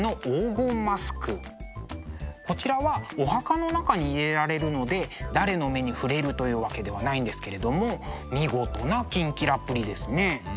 こちらはお墓の中に入れられるので誰の目に触れるというわけではないんですけれども見事なキンキラっぷりですね。